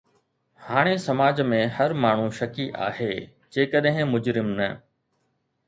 هاڻي سماج ۾ هر ماڻهو شڪي آهي جيڪڏهن مجرم نه.